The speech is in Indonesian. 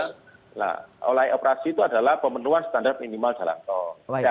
nah oleh operasi itu adalah pemenuhan standar minimal jalan tol